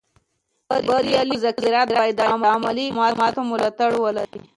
بریالي مذاکرات باید د عملي اقداماتو ملاتړ ولري